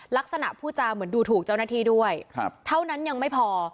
ลักษณะผู้จาเหมือนดูถูกเจ้าหน้าที่ด้วยเท่านั้นยังไม่พอ